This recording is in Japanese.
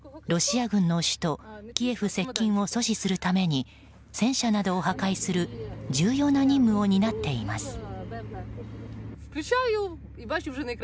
ロシア軍の首都キエフ接近を阻止するために戦車などを破壊する重要な任務を担っています。